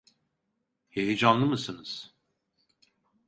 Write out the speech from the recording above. Heyecanlı mısınız?